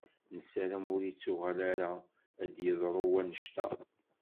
Nessaram ur ittuɣal ara ad d-yeḍṛu wannect-a.